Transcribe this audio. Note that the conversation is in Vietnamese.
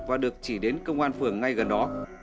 và được chỉ đến công an phường ngay gần đó